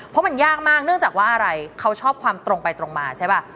เพราะมันยากมากเนื่องจากว่าอะไรเขาชอบความตรงไปตรงมาใช่ป่ะ